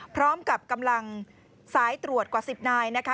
พร้อมกับกำลังสายตรวจกว่า๑๐นายนะคะ